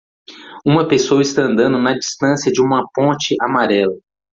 Uma pessoa está andando na distância de uma ponte amarela.